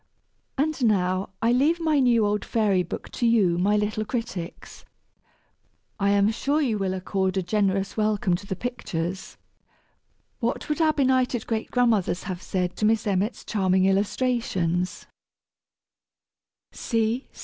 And now, I leave my new old Fairy Book to you, my little critics. I am sure you will accord a generous welcome to the pictures. What would our benighted great grandmothers have said to Miss Emmet's charming illustrations?